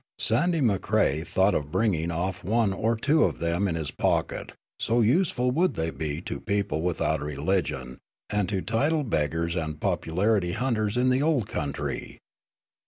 Sandy Macrae thought of bringing off one or two of them in his pocket, so useful would they be to people without a religion, and to title beggars and popularity hunters in the old country.